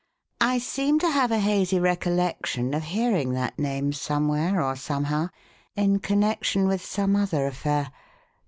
I seem to have a hazy recollection of hearing that name, somewhere or somehow, in connection with some other affair.